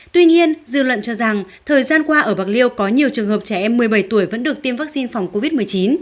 tuy nhiên dư luận cho rằng thời gian qua ở bạc liêu có nhiều trường hợp trẻ em một mươi bảy tuổi vẫn được tiêm vaccine phòng covid một mươi chín